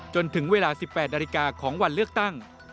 จนถึงเวลา๑๘นาฬิกาของวันเลือกตั้ง